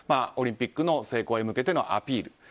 オリンピックの成功に向けてのアピール。